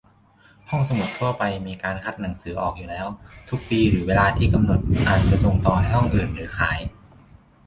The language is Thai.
ห้องสมุดทั่วไปมีการคัดหนังสือออกอยู่แล้ว ทุกปีหรือเวลาที่กำหนด อาจจะส่งต่อให้ห้องอื่น หรือขาย